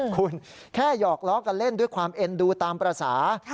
คุณแค่หยอกล้อกันเล่นด้วยความเอ็นดูตามภาษา